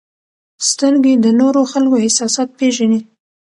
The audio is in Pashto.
• سترګې د نورو خلکو احساسات پېژني.